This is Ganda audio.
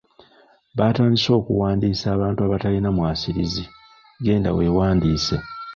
Batandise okuwandiisa abantu abatalina mwasirizi genda weewandiise.